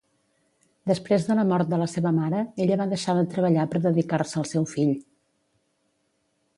Després de la mort de la seva mare, ella va deixar de treballar per dedicar-se al seu fill.